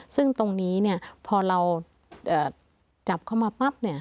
ซึ่งตรงนี้พอเราจับเข้ามาปั๊บ